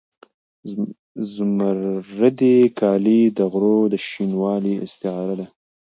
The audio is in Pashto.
زمردي کالي د غرو د شینوالي استعاره ده.